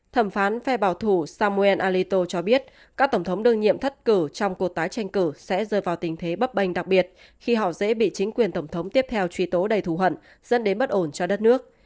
thẩm phán phe bảo thủ samuel alito cho biết các tổng thống đương nhiệm thất cử trong cuộc tái tranh cử sẽ rơi vào tình thế bấp bênh đặc biệt khi họ dễ bị chính quyền tổng thống tiếp theo truy tố đầy thù hận dẫn đến bất ổn cho đất nước